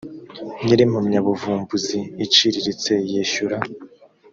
nyir impamyabuvumbuzi iciriritse yishyura